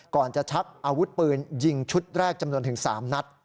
ก่อนจะชักอาวุธปืนยิงชุดแรกจำนวนถึง๓นัด